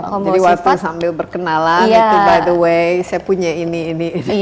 jadi waktu sambil berkenalan by the way saya punya ini ini ini